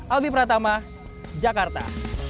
albi pratama jakarta